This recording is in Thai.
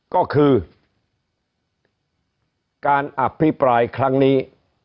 ก็คือการอภิปรายครั้งนี้